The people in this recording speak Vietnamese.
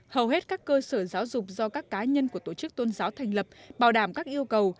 hầu hết các cơ sở giáo dục do các cá nhân của tổ chức tôn giáo thành lập bảo đảm các yêu cầu